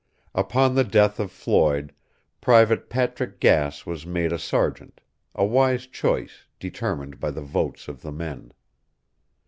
Upon the death of Floyd, Private Patrick Gass was made a sergeant, a wise choice, determined by the votes of the men.